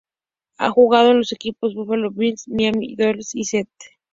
Ha jugado en los equipos Buffalo Bills, Miami Dolphins y St.